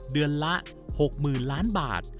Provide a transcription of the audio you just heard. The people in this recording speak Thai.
เดือนละ๖๐๐๐ล้านบาท